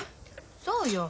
そうよ。